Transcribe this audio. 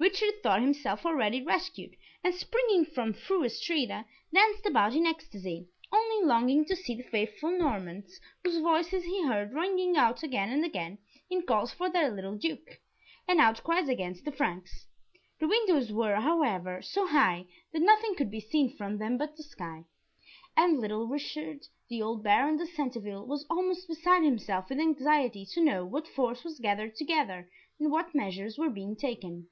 Richard thought himself already rescued, and springing from Fru Astrida, danced about in ecstasy, only longing to see the faithful Normans, whose voices he heard ringing out again and again, in calls for their little Duke, and outcries against the Franks. The windows were, however, so high, that nothing could be seen from them but the sky; and, like Richard, the old Baron de Centeville was almost beside himself with anxiety to know what force was gathered together, and what measures were being taken.